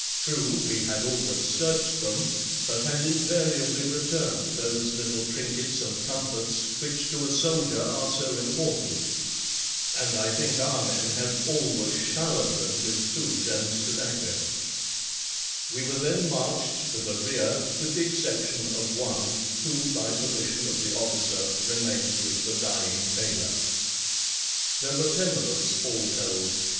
True, we had always searched them but had invariably returned those little trinkets and comforts which to a soldier are so important. And I think our men had always showered them with food and tobacco. We were then marched to the rear, with the exception of one, who, by permission of the officer, remained with the dying Taylor. There were ten of us all told.